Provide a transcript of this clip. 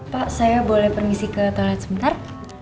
pak saya boleh permisi ke toilet sebentar